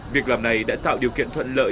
việc làm này đã tạo điều kiện thuận lợi